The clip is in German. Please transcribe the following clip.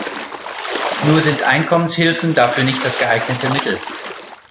Nur sind Einkommenshilfen dafür nicht das geeignete Mittel.